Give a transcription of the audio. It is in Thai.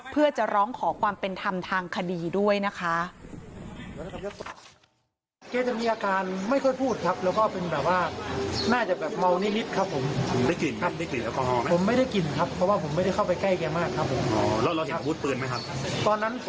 เพื่อจะร้องขอความเป็นธรรมทางคดีด้วยนะคะ